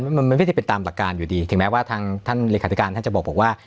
มันมันไม่ได้เป็นตามหลักการอยู่ดีถึงแม้ว่าทางท่านเลขาธิการท่านจะบอกว่า